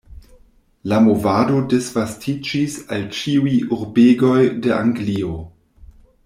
La movado disvastiĝis al ĉiuj urbegoj de Anglio.